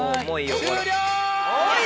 終了！